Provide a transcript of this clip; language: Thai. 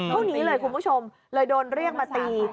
เท่านี้เลยคุณผู้ชมเลยโดนเรียกมาตี